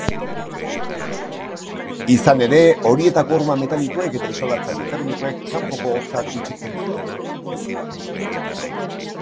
Izan ere, horietako horma metalikoek eta isolatzaile termikoek kanpoko hotza gutxitzen zuten.